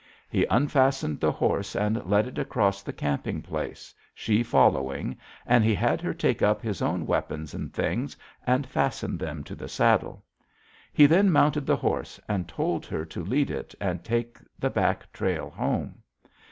He unfastened the horse and led it across the camping place, she following, and he had her take up his own weapons and things and fasten them to the saddle. He then mounted the horse, and told her to lead it and take the back trail home.